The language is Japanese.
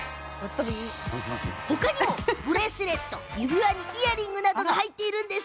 他にもブレスレット、指輪にイヤリングなどが入っているんです。